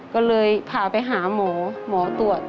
ก็เลยพาไปหาหมอหมอตรวจ